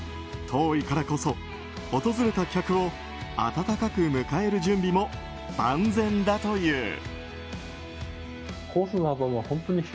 遠いからこそ訪れた客を温かく迎える準備も万全だという。